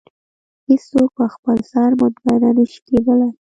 هېڅ څوک په خپل سر مطمئنه نه شي کېدلی.